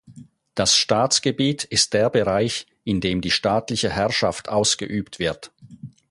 Das Staatsgebiet ist der Bereich, in dem die staatliche Herrschaft ausgeübt wird.